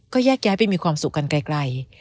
ก็แยกย้ายไปมีความสุขกันไกล